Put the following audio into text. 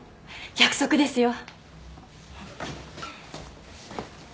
約束ですよ。